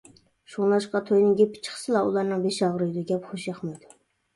شۇڭلاشقا، توينىڭ گېپى چىقسىلا ئۇلارنىڭ بېشى ئاغرىيدۇ، گەپ خۇشياقمايدۇ.